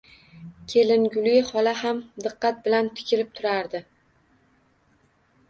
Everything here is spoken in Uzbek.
Kelingulli xola ham diqqat bilan tikilib turardilar